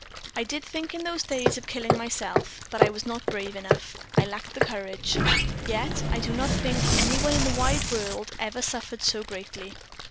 I did think in those days of killing myself, but I was not brave enough I lacked the courage. Yet I do not think any one in the wide world ever suffered so greatly.